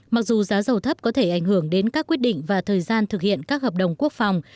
mặc dù giá dầu thấp có thể ảnh hưởng đến các quyết định và thời gian thực hiện các hợp đồng quốc phòng